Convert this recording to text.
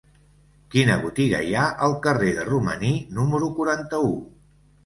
Quina botiga hi ha al carrer de Romaní número quaranta-u?